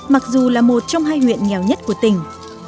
mặc dù là một trong hai huyện nghèo nhất của tỉnh